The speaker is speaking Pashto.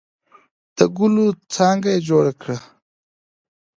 د ګلو څانګه یې جوړه کړه.